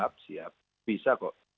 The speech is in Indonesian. siap siap bisa kok